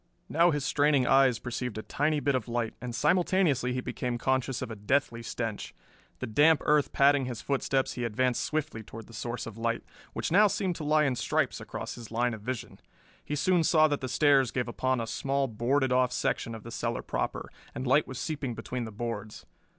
Now his straining eyes perceived a tiny bit of light, and simultaneously he became conscious of a deathly stench. The damp earth padding his footsteps, he advanced swiftly toward the source of light, which now seemed to lie in stripes across his line of vision. He soon saw that the stairs gave upon a small boarded off section of the cellar proper, and light was seeping between the boards.